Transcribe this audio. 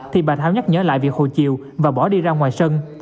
thì bà thao nhắc nhớ lại việc hồ chiều và bỏ đi ra ngoài sân